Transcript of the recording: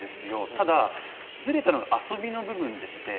ただずれたのは遊びの部分です。